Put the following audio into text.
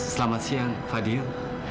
selamat siang fadil